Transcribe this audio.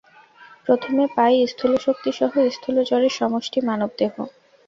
প্রথমে পাই স্থূলশক্তিসহ স্থূল জড়ের সমষ্টি মানবদেহ।